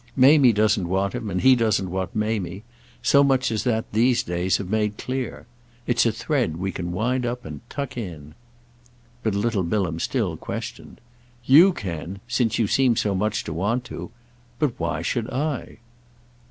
Mamie doesn't want him, and he doesn't want Mamie: so much as that these days have made clear. It's a thread we can wind up and tuck in." But little Bilham still questioned. "You can—since you seem so much to want to. But why should I?"